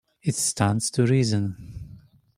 It stands to reason.